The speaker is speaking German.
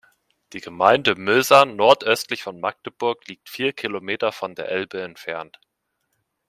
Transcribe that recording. Die Gemeinde Möser nordöstlich von Magdeburg liegt vier Kilometer von der Elbe entfernt.